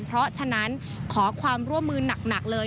เพราะฉะนั้นขอความร่วมมือหนักเลย